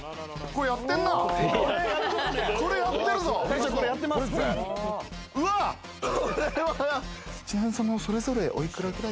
これ、やってるぞ！